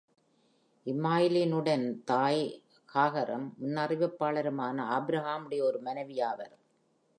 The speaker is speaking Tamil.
இஸ்மாயிலுடைய தாய் ஹாகரும் முன்னறிவிப்பாளரான ஆபிரகாமுடைய ஒரு மனைவி ஆவார்.